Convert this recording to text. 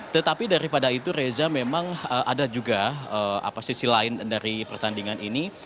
tetapi daripada itu reza memang ada juga sisi lain dari pertandingan ini